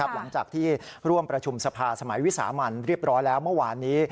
หลังจากที่ร่วมประชุมสภาสมัยวิสามันเรียบร้อยแล้วเมื่อวานนี้